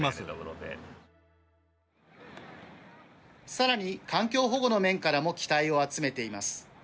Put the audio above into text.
さらに環境保護の面からも期待を集めています。